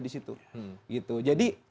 di situ jadi